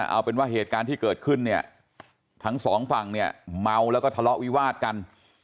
เอาเป็นว่าเหตุการณ์ที่เกิดขึ้นเนี่ยทั้งสองฝั่งเนี่ยเมาแล้วก็ทะเลาะวิวาดกัน